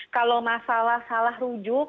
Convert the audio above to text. kalau masalah salah rujuk